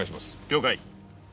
了解。